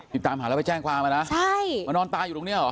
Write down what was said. ติดตามหาแล้วไปแจ้งความอ่ะนะใช่มานอนตายอยู่ตรงเนี้ยเหรอ